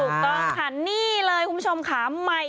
ถูกต้องค่ะนี่เลยคุณผู้ชมค่ะ